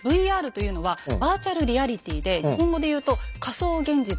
「ＶＲ」というのはバーチャルリアリティーで日本語で言うと「仮想現実」。